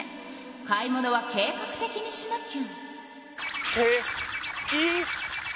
買い物は計画的にしなきゃ。